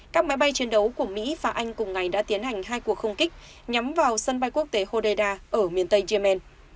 các máy bay chiến đấu của mỹ và anh cùng ngày đã tiến hành hai cuộc không kích nhắm vào sân bay quốc tế hodeida ở miền tây yemen